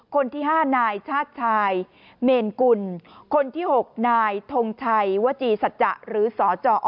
คนที่๕นายชาติชายเมนกุลคนที่๖นายทงชัยวจีสัจจะหรือสจอ